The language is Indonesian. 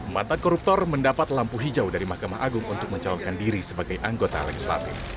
mata koruptor mendapat lampu hijau dari mahkamah agung untuk mencalonkan diri sebagai anggota legislatif